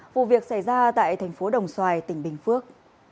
vụ việc xảy ra tại thành phố đồng xoài tỉnh bình phước